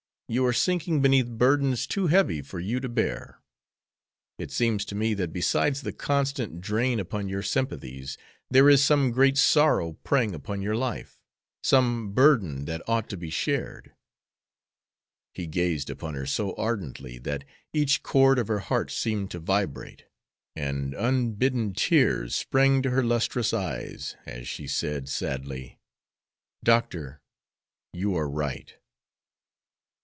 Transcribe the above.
You are sinking beneath burdens too heavy for you to bear. It seems to me that besides the constant drain upon your sympathies there is some great sorrow preying upon your life; some burden that ought to be shared." He gazed upon her so ardently that each cord of her heart seemed to vibrate, and unbidden tears sprang to her lustrous eyes, as she said, sadly: "Doctor, you are right."